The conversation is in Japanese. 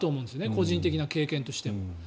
個人的な経験としても。